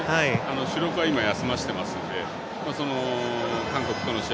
主力は今休ませていますので韓国との試合